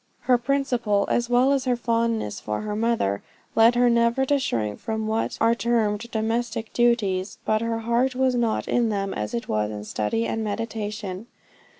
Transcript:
Her principle, as well as her fondness for her mother, led her never to shrink from what are termed domestic duties, but her heart was not in them as it was in study and meditation.